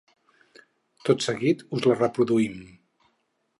Tot seguit us la reproduïm.